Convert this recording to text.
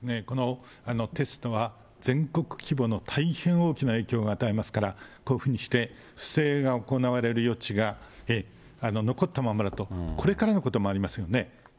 このテストは全国規模の大変大きな影響を与えますから、こういうふうにして不正が行われる余地が残ったままだと、これからのこともありますよね。